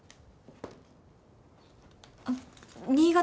あっ新潟